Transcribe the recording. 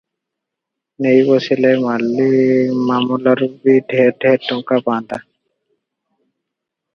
ନେଇ ବସିଲେ ମାଲିମାମଲାରୁ ବି ଢେର ଢେର ଟଙ୍କା ପାନ୍ତା ।